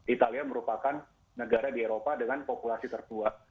italia merupakan negara di eropa dengan populasi tertua